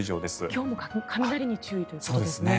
今日も雷に注意ということですね。